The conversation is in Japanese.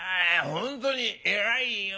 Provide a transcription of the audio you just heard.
本当に偉いよ。